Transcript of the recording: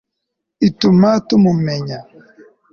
ituma tumumenya